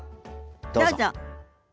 どうぞ。